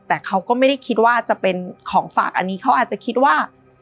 แต่เขาก็ไม่ได้คิดว่าจะเป็นของฝากอันนี้เขาอาจจะคิดว่า